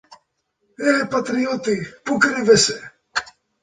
Ε, πατριώτη! πού κρύβεσαι;